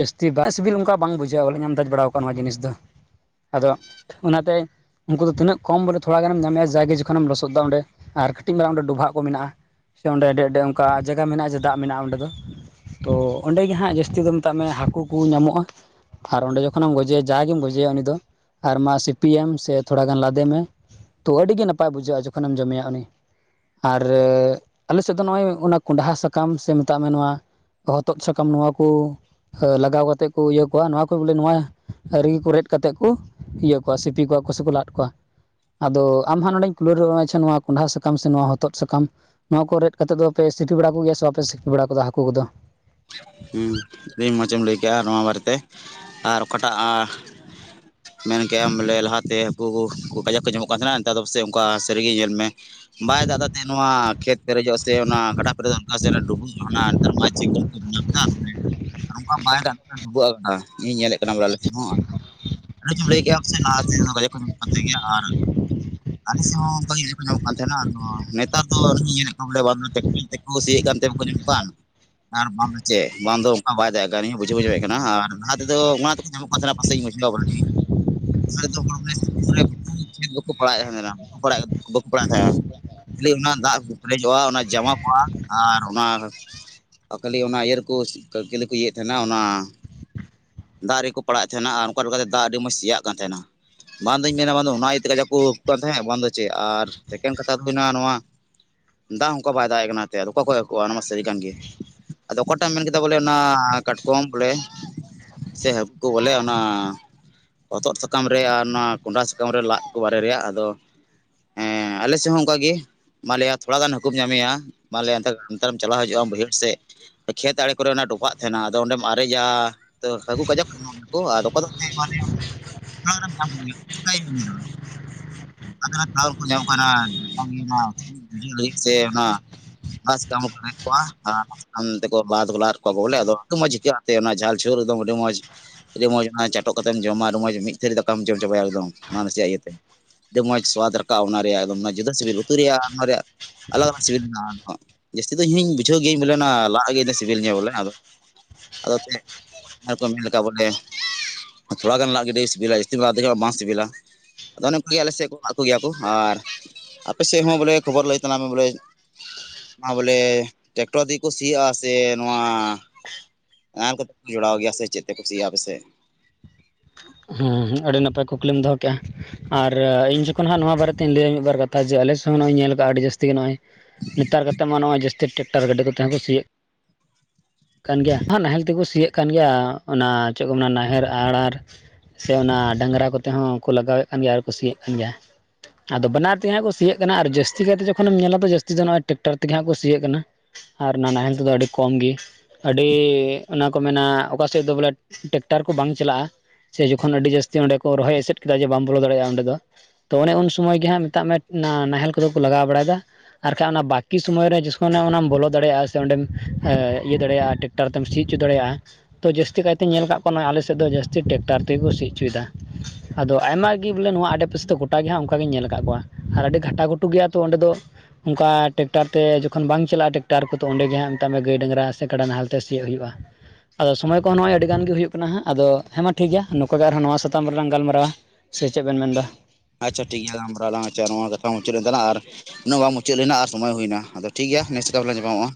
ᱡᱟᱹᱥᱛᱤ ᱵᱟᱝ ᱥᱤᱵᱤᱞ ᱚᱱᱠᱟ ᱵᱟᱝ ᱵᱩᱡᱷᱟᱹᱜᱼᱟ ᱟᱢᱫᱟᱡ ᱵᱟᱲᱟᱣ ᱟᱠᱟᱫᱟ ᱱᱚᱣᱟ ᱡᱤᱱᱤᱥ ᱫᱚ ᱟᱫᱚ ᱚᱱᱟᱛᱮ, ᱩᱱᱠᱩ ᱫᱚ ᱛᱤᱱᱟᱹᱜ ᱠᱚᱢ ᱵᱚᱞᱮ ᱛᱷᱚᱲᱟ ᱜᱟᱱᱮ ᱧᱟᱢᱮᱭᱟ ᱡᱟᱭ ᱡᱚ [unintelligible] ᱞᱚᱥᱚᱫ ᱫᱟ ᱚᱸᱰᱮ ᱟᱨ ᱠᱟᱹᱴᱤᱡ ᱢᱮᱞᱟᱟᱝ ᱚᱸ ᱰᱚᱵᱷᱟᱜ ᱠᱚ ᱢᱮᱱᱟᱜᱼᱟ᱾ ᱥᱮ ᱚᱸᱰᱮ ᱟᱹᱰᱤ ᱚᱱᱠᱟ ᱡᱟᱭᱜᱟ ᱢᱮᱱᱟᱜᱼᱟ ᱡᱮ ᱫᱟᱜ ᱢᱮᱱᱟᱜᱼᱟ ᱚᱸᱰᱮ ᱫᱚ ᱛᱚ ᱚᱸᱰᱮ ᱜᱮ ᱦᱟᱸᱜ ᱡᱟᱹᱥᱛᱤ ᱫᱚ, ᱢᱮᱛᱟᱜ ᱢᱮ ᱦᱟᱹᱠᱩ ᱠᱚ ᱧᱟᱢᱚᱜᱼᱟ᱾ ᱟᱨ ᱚᱸᱰᱮ ᱡᱚᱠᱷᱚᱱᱮᱢ ᱜᱚᱡᱮᱭᱟ ᱡᱟᱜ ᱜᱮᱢ ᱜᱚᱡᱮᱭᱟ ᱩᱱᱤ ᱫᱚ ᱟᱨ ᱢᱟ ᱥᱤᱯᱤᱭᱮᱢ ᱥᱮ ᱛᱷᱚᱲᱟ ᱜᱟᱱ ᱞᱟᱫᱮ ᱢᱮ᱾ ᱛᱚ ᱟᱹᱰᱤ ᱜᱮ ᱱᱟᱯᱟᱭ ᱵᱩᱡᱷᱟᱹᱜᱼᱟ ᱡᱚᱠᱷᱚᱱᱮᱢ ᱡᱚᱢᱮᱭᱟ ᱩᱱᱤ᱾ ᱟᱨ ᱟᱞᱮ ᱥᱮᱫ ᱫᱚ ᱱᱚᱜᱼᱚᱭ ᱚᱱᱟ ᱠᱚᱸᱰᱷᱟ ᱥᱟᱠᱟᱢ ᱥᱮ ᱢᱮᱛᱟᱜ ᱢᱮ ᱱᱚᱣᱟ ᱦᱚᱛᱚᱫ ᱥᱟᱠᱟᱢ ᱱᱚᱣᱟ ᱠᱚ, ᱞᱟᱜᱟᱣ ᱠᱟᱛᱮᱫ ᱠᱚ ᱤᱭᱟᱹ ᱠᱚᱣᱟ ᱱᱚᱣᱟ ᱠᱚ ᱵᱚᱞᱮ ᱱᱚᱣᱟ ᱨᱮᱞ ᱠᱚ ᱨᱮᱫ ᱠᱟᱛᱮᱜ ᱠᱚ, ᱤᱭᱟᱹ ᱠᱚᱣᱟ ᱥᱤᱯᱤ ᱠᱚᱣᱟ ᱠᱚ ᱥᱮ ᱠᱚ ᱞᱟᱫ ᱠᱚᱣᱟ᱾ ᱟᱫᱚ ᱟᱢ ᱦᱟᱸᱜ ᱱᱚᱰᱮᱧ ᱠᱩᱞᱟᱹᱣ ᱨᱚᱜ ᱟᱪᱪᱷᱟ ᱱᱚᱣᱟ ᱠᱚᱸᱰᱷᱟ ᱥᱟᱠᱟᱢ ᱥᱮ ᱱᱚᱣᱟ ᱦᱚᱛᱚᱫ ᱥᱟᱠᱟᱢ ᱱᱚᱣᱟ ᱠᱚ ᱨᱮᱫ ᱠᱟᱛᱮᱫ ᱫᱚᱯᱮ ᱥᱤᱯᱤ ᱵᱟᱲᱟ ᱠᱚᱜᱭᱟ ᱥᱮ ᱵᱟᱯᱮ ᱥᱤᱯᱤ ᱵᱟᱲᱟ ᱠᱟᱫᱟ ᱦᱟᱹᱠᱩ ᱠᱚᱫᱚ? ᱦᱩ ᱟᱹᱰᱤ ᱢᱚᱡᱮᱢ ᱞᱟᱹᱭ ᱠᱮᱭᱟ ᱱᱚᱣᱟ ᱵᱟᱨᱮᱛᱮ ᱟᱨ ᱚᱠᱟᱴᱟᱜ [inaudible] ᱢᱮᱱ ᱠᱮᱜᱼᱟᱢ ᱵᱚᱞᱮ ᱞᱟᱦᱟᱛᱮ ᱦᱟᱠᱩ ᱠᱟᱡᱟᱠ ᱠᱚ ᱡᱚᱢᱚᱜ ᱠᱟᱱ ᱛᱟᱦᱮᱱᱟ ᱱᱮᱛᱟᱨ ᱫᱚ ᱯᱟᱥᱮ ᱚᱱᱠᱟ ᱥᱟᱹᱨᱤᱜᱮ ᱧᱮᱞ ᱢᱮ, ᱵᱟᱭ ᱫᱟᱫᱟ ᱛᱮᱱ ᱱᱚᱣᱟ ᱠᱷᱮᱛ ᱯᱮᱨᱮᱡᱚᱜ ᱥᱮ ᱚᱱᱟ ᱜᱟᱰᱟ ᱯᱮᱨᱮᱡᱚᱜ ᱚᱱᱠᱟ ᱥᱮᱫ ᱰᱩᱵᱩᱡ ᱦᱚᱱᱟ ᱟᱱᱛᱟᱨ ᱢᱟ ᱪᱤᱠ ᱠᱚ, [unintelligible] ᱱᱚᱝᱠᱟ ᱵᱟᱭ ᱫᱟᱜ ᱰᱩᱵᱟᱜ ᱟᱠᱱᱟ ᱤᱧ ᱧᱮᱞᱮᱜ ᱠᱟᱱᱟ [unintelligible] ᱞᱟᱪᱩᱢ ᱞᱟᱹᱭ ᱠᱮᱭᱟ ᱥᱮ [unintelligible] ᱟᱨ ᱟᱞᱮ ᱥᱮ ᱦᱚᱸ [unintelligible] ᱧᱮᱞᱚᱜ ᱠᱟᱱ ᱛᱟᱦᱮᱱᱟ ᱱᱚᱣᱟ ᱱᱮᱛᱟᱨ ᱫᱚ ᱱᱟᱹᱞᱤᱧ ᱧᱮᱞᱮᱫ ᱠᱚᱣᱟ ᱵᱚᱞᱮ ᱵᱟᱫᱢᱮ ᱪᱮᱠ ᱛᱮᱠᱚ ᱥᱤᱭᱮᱫ ᱠᱟᱱᱛᱮ ᱵᱟᱠᱚ ᱧᱟᱢ ᱠᱚᱣᱟ ᱟᱨ ᱵᱟᱢ ᱪᱮᱜ ᱵᱟᱝ ᱫᱚ ᱚᱱᱠᱟ ᱵᱟᱭ ᱫᱟᱜᱭᱮᱜ ᱠᱟᱱ ᱟᱞᱤᱭᱟᱹᱧ ᱵᱩᱡᱷᱟᱣ ᱧᱟᱢᱮᱫ ᱠᱟᱱᱟ ᱟᱨ ᱞᱟᱦᱟ ᱛᱮᱫᱚ ᱚᱱᱟ ᱛᱮᱠᱚ ᱧᱟᱢᱚᱜ ᱠᱟᱱ ᱛᱟᱦᱮᱱᱟ ᱯᱟᱥᱮᱤᱧ [unintelligible] [unintelligible] ᱠᱷᱟᱹᱞᱤ ᱚᱱᱟ ᱫᱟᱜ ᱯᱮᱨᱮᱡᱚᱜᱼᱟ ᱚᱱᱟ ᱡᱟᱢᱟ ᱠᱚᱜᱼᱟ ᱟᱨ ᱚᱱᱟ ᱠᱷᱟᱹᱞᱤ ᱚᱱᱟ ᱤᱭᱟᱹ ᱠᱳᱥ ᱠᱟᱞ ᱠᱞᱮᱠᱚ ᱤᱭᱮᱜ ᱛᱟᱦᱮᱱᱟ ᱚᱱᱟ, ᱫᱟᱜ ᱨᱮᱠᱚ ᱯᱟᱲᱟᱮᱜ ᱛᱟᱦᱮᱱᱟ ᱟᱨ ᱚᱱᱠᱟ [unintelligible] ᱫᱟᱜ ᱟᱹᱰᱤ ᱢᱚᱸᱡᱽ ᱥᱮᱭᱟᱜ ᱠᱟᱱ ᱛᱟᱦᱮᱱᱟ᱾ ᱵᱟᱝ ᱫᱚᱧ ᱢᱮᱱᱟ ᱵᱟᱝ ᱱᱚᱣᱟ ᱛᱮ ᱜᱟᱡᱟᱠ ᱠᱚ ᱩᱠᱩᱜ ᱠᱟᱱ ᱛᱟᱦᱮᱸ ᱵᱟᱝ ᱫᱚ ᱪᱮᱫ ᱟᱨ ᱮᱠᱮᱱ ᱠᱟᱛᱷᱟ ᱵᱤᱱᱟ ᱱᱚᱣᱟ, ᱫᱟᱜ ᱚᱱᱠᱟ ᱵᱟᱭ ᱫᱟᱜ ᱠᱟᱱᱟ ᱛᱮ ᱚᱠᱚ [unintelligible] ᱚᱱᱟ ᱢᱟᱥ ᱟᱹᱰᱤ ᱜᱜ ᱜᱮ᱾ ᱚᱠᱟᱴᱟᱢ ᱢᱮᱱ ᱠᱮᱫᱟ ᱵᱚᱞᱮ ᱚᱱᱟ ᱠᱟᱴᱠᱚᱢ ᱵᱚᱞᱮ ᱥᱮ ᱦᱟᱹᱠᱩ ᱵᱚᱞᱮ ᱚᱱᱟ ᱦᱚᱛᱚᱫ ᱥᱟᱠᱟᱢ ᱨᱮ ᱟᱨ ᱚᱱᱟ ᱠᱚᱸᱰᱷᱟ ᱥᱟᱠᱟᱢ ᱨᱮ ᱞᱟᱫ ᱠᱚ ᱵᱟᱨᱮ ᱨᱮᱭᱟᱜ ᱟᱫᱚ, ᱦᱮᱸ ᱟᱞᱮ ᱥᱮᱫ ᱦᱚᱸ ᱚᱱᱠᱟ ᱜᱮ, ᱢᱟᱞᱮᱭᱟ ᱛᱷᱚᱲᱟ ᱜᱟᱱ ᱦᱟᱹᱠᱩᱢ ᱧᱟᱢᱮᱭᱟ ᱢᱟᱞᱮ ᱟᱱᱛᱟᱨ ᱱᱮᱛᱟᱨ ᱮᱢ ᱪᱟᱞᱟᱣ ᱦᱤᱡᱩᱜᱼᱟ ᱵᱟᱹᱭᱦᱟᱹᱲ ᱥᱮᱫ, ᱠᱷᱮᱛ ᱟᱲᱮ ᱠᱚᱨᱮ ᱚᱱᱟ ᱰᱚᱯᱟᱜ ᱛᱟᱦᱮᱱᱟ ᱟᱫᱚ ᱚᱸᱰᱮᱢ ᱟᱨᱮᱡᱟ ᱛᱚ ᱦᱟᱹᱜᱩ ᱠᱟᱡᱟ ᱠᱚ [unintelligible] ᱱᱟᱥᱮᱱᱟᱜ ᱛᱟᱞᱮ ᱠᱚ ᱧᱟᱢ ᱠᱟᱱᱟ ᱚᱱᱟ ᱞᱟᱹᱜᱤᱫ ᱥᱮ ᱚᱱᱟ, ᱯᱷᱟᱥ ᱰᱟᱣᱩᱴ ᱯᱮᱢᱮᱴ ᱠᱚᱣᱟ, [unintelligible] ᱵᱚᱞᱮ ᱟᱫᱚ ᱟᱹᱰᱤ ᱢᱚᱸᱡᱽ ᱟᱹᱭᱠᱟᱹᱜᱼᱟ ᱚᱱᱟ ᱡᱷᱟᱞᱡᱷᱳᱞ ᱟᱹᱰᱤ ᱢᱚᱸᱡᱽ, ᱟᱹᱰᱤ ᱢᱚᱸᱡᱽ ᱚᱱᱟ ᱪᱟᱴᱚᱜ ᱠᱟᱛᱮᱢ ᱡᱚᱢᱟ ᱟᱹᱰᱤ ᱢᱚᱸᱡᱽ ᱢᱤᱫ ᱫᱷᱟᱹᱨᱤ ᱫᱟᱠᱟᱢ ᱡᱚᱢ ᱪᱟᱵᱟᱭᱟ ᱮᱠᱫᱚᱢ ᱚᱱᱟ ᱱᱟᱥᱮᱭᱟᱜ ᱤᱭᱟᱹᱛᱮ᱾ ᱟᱹᱰᱤ ᱢᱚᱸᱡᱽ ᱥᱚᱣᱟᱫ ᱨᱟᱠᱟᱣ ᱚᱱᱟ ᱨᱮᱭᱟᱜ ᱮ ᱡᱩᱫᱟᱹ ᱥᱤᱵᱤᱞ ᱩᱛᱩ ᱨᱮᱭᱟᱜ ᱚᱱᱟ ᱨᱮᱭᱟᱜ, ᱟᱞᱟᱜᱽ ᱥᱤᱵᱤᱞ ᱢᱮᱱᱟᱜᱼᱟ ᱡᱟᱹᱥᱛᱤ ᱫᱚ ᱤᱦᱤᱧ ᱵᱩᱡᱷᱟᱹᱣ ᱜᱤᱭᱤᱧ ᱵᱚᱞᱮ ᱚᱱᱟ ᱞᱟᱜ ᱜᱮ ᱥᱤᱵᱤᱞᱚᱜ ᱵᱚᱞᱮ ᱟᱫᱚ ᱟᱫᱚᱛᱮ ᱟᱨ ᱠᱚᱢᱧᱚᱜ ᱞᱮᱠᱟᱷᱟ ᱵᱚᱞᱮ ᱛᱷᱚᱲᱟ ᱜᱟᱱ ᱞᱟᱜ ᱜᱤᱰᱤ ᱥᱤᱵᱤᱞᱟ ᱡᱟᱹᱥᱛᱤ ᱞᱟᱫᱟ ᱵᱟᱝ ᱥᱤᱵᱤᱞᱟ ᱟᱫᱚ ᱚᱱᱮ ᱠᱚᱜᱮᱭᱟ ᱟᱞ ᱥᱮᱫ ᱠᱚ ᱦᱟᱠᱩ ᱜᱮᱭᱟ ᱠᱚ ᱟᱨ ᱟᱯᱮ ᱥᱮᱫ ᱦᱚᱸ ᱵᱚᱞᱮ ᱠᱷᱚᱵᱚᱨ ᱞᱟᱹᱭ ᱛᱟᱞᱟᱝ ᱢᱮ ᱵᱚᱞᱮ ᱟ ᱵᱚᱞᱮ ᱴᱨᱟᱠᱴᱚᱨ ᱛᱮᱜᱮ ᱠᱚ ᱥᱤᱟᱥ ᱛᱮ ᱱᱚᱣᱟ ᱱᱟᱞ ᱠᱚ ᱡᱚᱲᱟᱣ ᱜᱮᱭᱟ ᱥᱮ ᱪᱮᱫ ᱛᱮᱠᱩ ᱥᱤᱭᱟ ᱟᱯᱮᱥᱮᱫ ᱦᱩᱸ ᱟᱹᱰᱤ ᱱᱟᱯᱟᱭ ᱠᱩᱠᱞᱤᱢ ᱫᱚᱦᱚ ᱠᱮᱜᱼᱟ ᱟᱨ ᱤᱧ ᱡᱚᱠᱷᱚᱱ ᱦᱟᱸᱜ ᱱᱚᱣᱟ ᱵᱟᱨᱮᱤᱧ ᱞᱟᱹᱭᱟ ᱢᱤᱫᱵᱟᱨ ᱠᱟᱛᱷᱟ ᱡᱮ ᱟᱞᱮ ᱥᱮ ᱦᱚᱸ ᱱᱚᱭ ᱧᱮᱞ ᱠᱟᱜᱼᱟ ᱟᱹᱰᱤ ᱡᱟᱹᱥᱛᱤ ᱜᱮ ᱱᱚᱭ ᱱᱮᱛᱟᱨ ᱠᱟᱛᱮᱫ ᱢᱟ ᱱᱚᱭ ᱡᱟᱹᱥᱛᱤ ᱴᱨᱟᱠᱴᱟᱨ ᱜᱟᱹᱰᱤ ᱠᱚᱛᱮ ᱦᱚᱸᱠᱚ ᱥᱤᱭᱮᱜ ᱠᱟᱱ ᱜᱮᱭᱟ ᱱᱟᱦᱮᱞ ᱛᱮᱠᱚ ᱥᱤᱭᱚᱜ ᱠᱟᱱ ᱜᱮᱭᱟ ᱚᱱᱟ ᱪᱮᱫ ᱠᱚ ᱢᱮᱱᱟ ᱱᱟᱦᱮᱞ ᱟᱨᱟᱞ ᱥᱮ ᱚᱱᱟ ᱰᱟᱝᱨᱟ ᱠᱚᱛᱮ ᱦᱚᱸᱠᱚ ᱞᱟᱜᱟᱣᱮᱫ ᱠᱟᱱ ᱜᱮᱭᱟ ᱟᱨ ᱠᱚ ᱠᱩᱥᱤᱭᱮᱫ ᱠᱟᱱ ᱜᱮᱭᱟ ᱟᱫᱚ ᱵᱟᱱᱟᱨ ᱛᱮᱦᱮᱜ ᱠᱚ ᱥᱤᱭᱚᱜ ᱠᱟᱱᱟ ᱟᱨ ᱡᱟᱹᱥᱛᱤ ᱠᱟᱭᱛᱮ ᱡᱚᱠᱷᱚᱱᱮᱢ ᱧᱮᱞᱟ ᱡᱟᱹᱥᱛᱤ ᱫᱚ ᱱᱚᱜᱚᱭ ᱴᱨᱟᱠᱴᱚᱨ ᱛᱮᱜᱮ ᱦᱟᱸᱜ ᱠᱚ ᱥᱤᱭᱮᱜ ᱠᱟᱱᱟ ᱟᱨ ᱱᱟ ᱱᱟᱦᱮᱞ ᱛᱮᱫᱚ ᱟᱹᱰᱤ ᱠᱚᱢ ᱜᱤ ᱟᱹᱰᱤ ᱚᱱᱟ ᱠᱚ ᱢᱮᱱᱟ ᱚᱠᱟ ᱥᱮᱫ ᱫᱚ ᱵᱚᱞᱮ ᱴᱮᱠᱴᱟᱨ ᱠᱚ ᱵᱟᱝ ᱪᱟᱞᱟᱜᱼᱟ ᱥᱮ ᱡᱚᱠᱷᱚᱱ ᱟᱹᱰᱤ ᱡᱟᱹᱥᱛᱤ ᱚᱸᱰᱮ ᱠᱚ ᱨᱚᱦᱚᱭ ᱮᱥᱮᱫ ᱠᱮᱫᱟ ᱡᱮ ᱵᱟᱢ ᱵᱚᱞᱚ ᱫᱟᱲᱮᱭᱟᱜᱼᱟ ᱚᱸᱰᱮ ᱫᱚ ᱛᱚ ᱚᱱᱮ ᱩᱱ ᱥᱚᱢᱚᱭ ᱜᱮ ᱦᱟᱸᱜ ᱢᱮᱛᱟᱜ ᱢᱮ ᱱᱟᱦᱮᱞ ᱠᱚᱫᱚ ᱠᱚ ᱞᱟᱜᱟᱣ ᱵᱟᱲᱟᱭᱮᱫᱟ ᱟᱨ ᱠᱷᱟᱡ ᱚᱱᱟ ᱵᱟᱠᱤ ᱥᱚᱢᱚᱭ ᱨᱮ ᱡᱤᱥᱠᱳ ᱚᱱᱟᱢ ᱵᱚᱞᱚ ᱫᱟᱲᱮᱭᱟᱜᱼᱟ ᱥᱮ ᱚᱸᱰᱮᱢ ᱤᱭᱟᱹ ᱫᱟᱲᱮᱭᱟᱜᱼᱟ ᱴᱮᱠᱴᱟᱨ ᱛᱮᱢ ᱥᱤ ᱚᱪᱚ ᱫᱟᱲᱮᱭᱟᱜᱼᱟ ᱛᱚ ᱡᱟᱹᱥᱛᱤ ᱠᱟᱭᱛᱮᱧ ᱧᱮᱞ ᱟᱠᱟᱫ ᱠᱚᱣᱟ ᱟᱞᱮᱥᱮᱫ ᱫᱚ ᱡᱟᱹᱥᱛᱤ ᱴᱮᱠᱴᱟᱨ ᱛᱮᱜᱮ ᱠᱚ ᱥᱤ ᱚᱪᱚᱭᱮᱫᱟ᱾ ᱟᱫᱚ ᱟᱭᱢᱟ ᱜᱮ ᱵᱚᱞᱮ ᱱᱚᱣᱟ ᱟᱰᱮᱯᱟᱥᱮ ᱫᱚ ᱜᱚᱴᱟ ᱜᱮ ᱦᱟᱸᱜ ᱚᱱᱠᱟᱜᱤᱧ ᱧᱮᱞ ᱠᱟᱜ ᱠᱚᱣᱟ ᱟᱨ ᱟᱹᱰᱤ ᱜᱷᱟᱴᱟ ᱜᱷᱩᱴᱩ ᱜᱮᱭᱟ ᱛᱚ ᱚᱸᱰᱮ ᱫᱚ ᱚᱱᱠᱟ ᱴᱮᱠᱴᱟᱨ ᱛᱮ ᱡᱚᱠᱷᱚᱱ ᱵᱟᱝ ᱪᱟᱞᱟᱜᱼᱟ ᱴᱮᱠᱴᱟᱨ ᱠᱚ ᱚᱸᱰᱮ ᱜᱮ ᱦᱟᱜ ᱢᱮᱛᱟᱜ ᱢᱮ ᱜᱟᱹᱭ ᱰᱟᱝᱨᱟ ᱥᱮ ᱠᱟᱰᱟ ᱱᱟᱦᱮᱞ ᱛᱮ ᱥᱤᱭᱳᱜ ᱦᱩᱭᱩᱜᱼᱟ ᱟᱫᱚ ᱥᱚᱢᱚᱭ ᱠᱚᱦᱚᱸ ᱱᱚᱜᱼᱚᱭ ᱟᱹᱰᱤ ᱜᱟᱱ ᱜᱮ ᱦᱩᱭᱩᱜ ᱠᱟᱱᱟ ᱦᱟᱸᱜ ᱟᱫᱚ ᱦᱮᱸ ᱢᱟ ᱴᱷᱤᱠ ᱜᱮᱭᱟ ᱱᱚᱝᱠᱟ ᱜᱮ ᱟᱨᱦᱚᱸ ᱱᱚᱣᱟ ᱥᱟᱛᱟᱢ ᱨᱮᱞᱟᱝ ᱜᱟᱞᱢᱟᱨᱟᱣᱟ ᱥᱮ ᱪᱮᱫ ᱵᱮᱱ ᱢᱮᱱ ᱮᱫᱟ? ᱟᱪᱪᱷᱟ ᱴᱷᱤᱠ ᱜᱮᱭᱟ ᱜᱟᱞᱢᱟᱨᱟᱣ ᱞᱟᱝ ᱟᱪᱷᱟ ᱱᱚᱣᱟ ᱠᱟᱷᱟ ᱢᱩᱪᱟᱹᱫ ᱮᱱ ᱛ [unintelligible] ᱟᱨ ᱩᱱᱟᱹᱜ [unintelligible] ᱵᱟᱝ ᱢᱩᱪᱟᱹᱫ ᱞᱮᱱᱟ ᱟᱨ ᱥᱚᱢᱚᱭ ᱦᱩᱭᱱᱟ ᱟᱫᱚ ᱴᱷᱤᱠ ᱜᱮᱭᱟ ᱱᱮᱥᱴᱛᱵᱞᱟ [unintelligible] ᱧᱟᱟᱢᱚᱜᱼᱟ